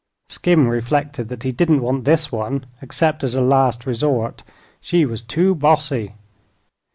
Skim reflected that he didn't want this one, except as a last resort. She was "too bossy."